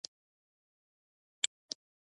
وې ویل دا اخبارونه په تُرکي ژبه دي.